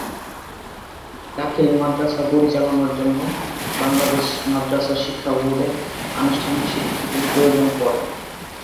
দাখিল মাদ্রাসা পরিচালনার জন্য বাংলাদেশ মাদরাসা শিক্ষা বোর্ডের আনুষ্ঠানিক স্বীকৃতির প্রয়োজন পড়ে।